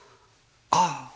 ああ！